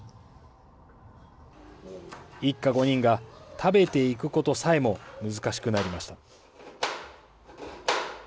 一家５人が食べていくことさえも難しくなりました。